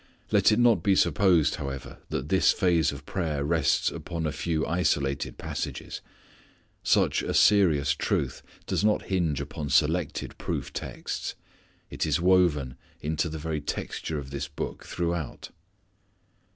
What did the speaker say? Let it not be supposed, however, that this phase of prayer rests upon a few isolated passages. Such a serious truth does not hinge upon selected proof texts. It is woven into the very texture of this Book throughout.